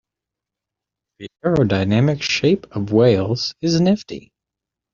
The aerodynamic shape of whales is nifty.